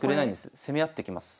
攻め合ってきます。